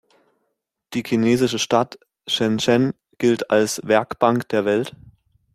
Die chinesische Stadt Shenzhen gilt als „Werkbank der Welt“.